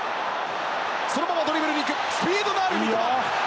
そのままドリブルに行くスピードのある三笘。